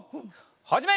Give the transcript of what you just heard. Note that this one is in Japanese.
はじめ！